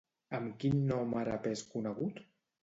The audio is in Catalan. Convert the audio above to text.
Amb quin nom àrab és conegut?